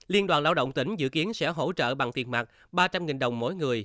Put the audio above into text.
liên đoàn lao động tỉnh dự kiến sẽ hỗ trợ bằng tiền mặt ba trăm linh đồng mỗi người